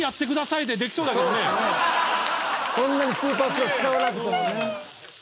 そんなにスーパースロー使わなくてもね。